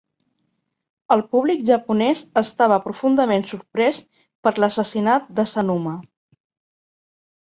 El públic japonès estava profundament sorprès per l'assassinat d'Asanuma.